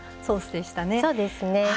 そうですね。